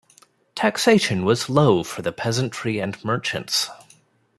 Taxation was low for the peasantry and merchants.